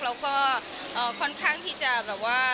แล้วก็ค่อนข้างที่จะ